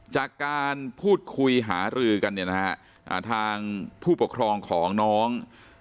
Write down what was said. จากการพูดคุยหารือกันเนี่ยนะฮะทางผู้ปกครองของน้อง